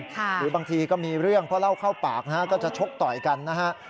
หรือบางทีก็มีเรื่องเพราะเล่าเข้าปากนะฮะก็จะชกต่อยกันนะฮะ